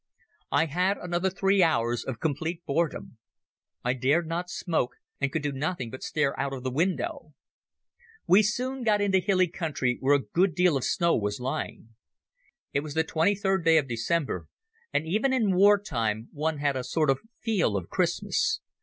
I had another three hours of complete boredom. I dared not smoke, and could do nothing but stare out of the window. We soon got into hilly country, where a good deal of snow was lying. It was the 23rd day of December, and even in war time one had a sort of feel of Christmas.